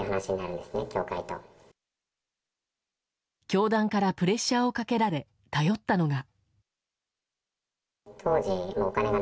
教団からプレッシャーをかけられ、頼ったのが。